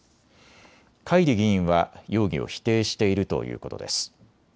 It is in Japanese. カイリ議員は容疑を否定しているということです。